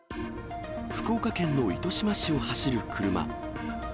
福岡県の糸島市を走る車。